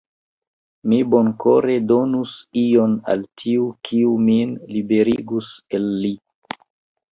Mi bonkore donus ion al tiu, kiu min liberigus el li.